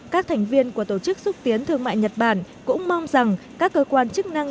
các thành viên của tổ chức xúc tiến thương mại nhật bản cũng mong rằng các cơ quan chức năng